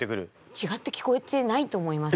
違って聞こえてないと思います。